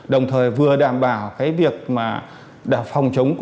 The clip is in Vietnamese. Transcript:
đồng thời vừa đảm bảo việc phòng chống